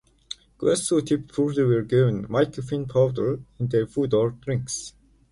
Guests who tipped poorly were given "Mickey Finn powder" in their food or drinks.